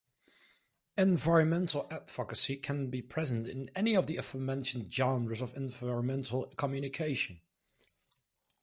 Environmental advocacy can be present in any of the aforementioned genres of environmental communication.